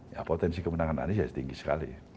ya potensi kemenangan anies ya tinggi sekali ya